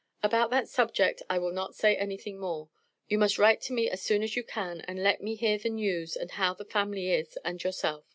About that subject I will not say anything more. You must write to me as soon as you can and let me here the news and how the Family is and yourself.